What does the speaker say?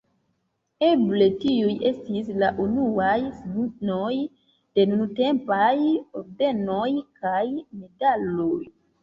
Eble tiuj estis la unuaj signoj de nuntempaj ordenoj kaj medaloj.